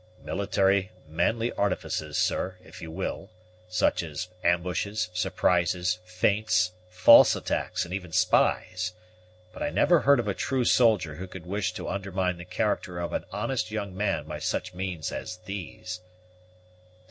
"Military manly artifices, sir, if you will; such as ambushes, surprises, feints, false attacks, and even spies; but I never heard of a true soldier who could wish to undermine the character of an honest young man by such means as these."